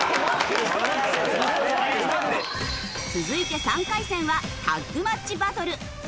続いて３回戦はタッグマッチバトル。